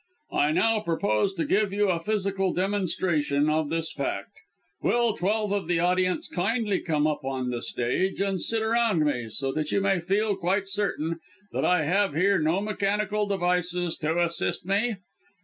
I now propose to give you a physical demonstration of this fact. Will twelve of the audience kindly come up on the stage and sit around me, so that you may feel quite certain that I have here no mechanical devices to assist me?"